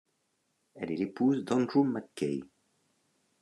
Elle est l'épouse d'Andrew MacKay.